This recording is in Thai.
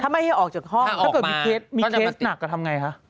ถ้าเกิดมีเคสหนักก็ทำไงฮะ